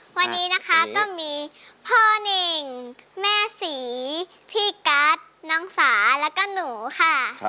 วันนี้นะคะก็มีพ่อเน่งแม่ศรีพี่กัสน้องสาแล้วก็หนูค่ะ